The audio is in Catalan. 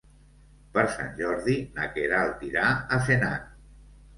Per Sant Jordi na Queralt irà a Senan.